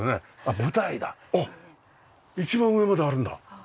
あっ一番上まであるんだ。